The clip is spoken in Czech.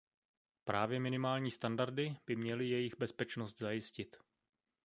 Právě minimální standardy by měly jejich bezpečnost zajistit.